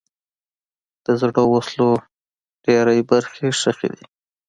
د زړو وسلو ډېری برخې ښخي دي.